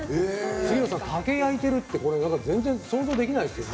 杉野さん、竹を焼いてるって全然想像できないですよね。